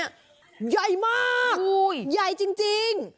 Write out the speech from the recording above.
ใหญ่มากใหญ่จริง